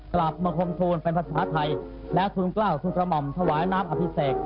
จากนั้นเวลา๑๑นาฬิกาเศรษฐ์พระธินั่งไพรศาลพักศิลป์